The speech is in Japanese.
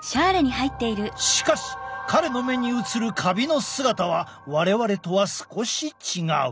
しかし彼の目に映るカビの姿は我々とは少し違う。